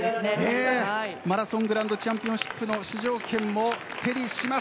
マラソングランドチャンピオンシップの出場権も手にします。